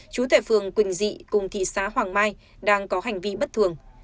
chú tệ phương quỳnh dị cùng thị xã hoàng mai đang có hành vi bất thường